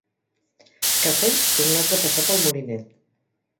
Cafès tornats a passar pel molinet.